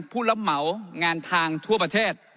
ผู้รับเหมางานทางทั่วประเทศ